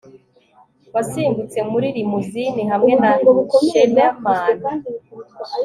wasimbutse muri limousine hamwe na chinaman